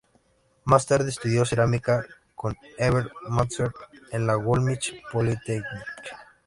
Más tarde, estudió cerámica con Heber Matthews en la Woolwich Polytechnic.